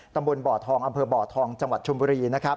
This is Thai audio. ตำบลบ่อทองอำเภอบ่อทองจังหวัดชมบุรี